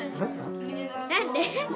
何で？